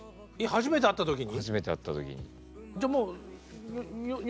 初めて会った時に。